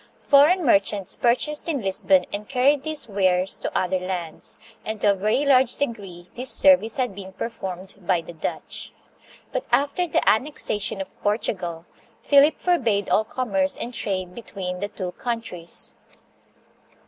Foreign merchants purchased in Lisbon and carried these wares to other lands, and to a very large degree this service had been performed by the Dutch. But after the annexation of Portugal, Philip forbade all commerce and trade between the two countries.